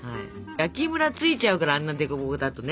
焼きムラついちゃうからあんな凸凹だとね。